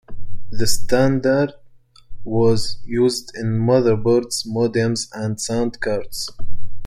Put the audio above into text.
The standard was used in motherboards, modems, and sound cards.